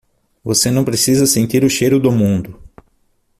Você não precisa sentir o cheiro do mundo!